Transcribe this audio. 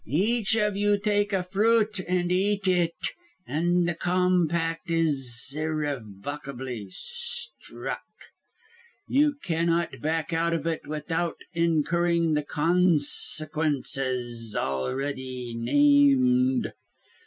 "Each of you take a fruit and eat it, and the compact is irrevocably struck. You cannot back out of it without incurring the consequences already named.